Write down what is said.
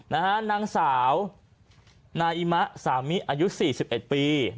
นางสาวนาอิมะสามิอายุ๔๑ปี